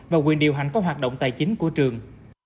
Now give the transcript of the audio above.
và quyền điều hành các hoạt động tài chính của trường